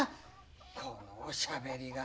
このおしゃべりが。